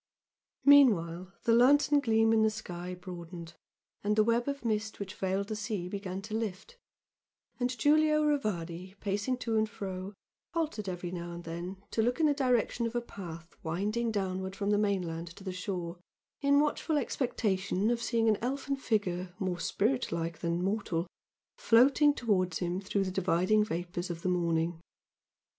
Meanwhile the lantern gleam in the sky broadened and the web of mist which veiled the sea began to lift and Giulio Rivardi, pacing to and fro, halted every now and then to look in the direction of a path winding downward from the mainland to the shore, in watchful expectation of seeing an elfin figure, more spiritlike than mortal, floating towards him through the dividing vapours of the morning.